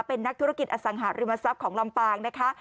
เป็นนักธุรกิจอสังหาริมทรัพย์ของลำปางนะคะ